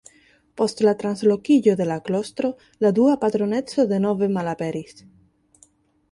Post la translokiĝo de la klostro la dua patroneco denove malaperis.